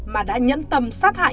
mà đã nhẫn tâm sát hại